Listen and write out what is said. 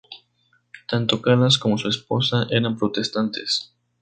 Tanto Calas como su esposa eran protestantes.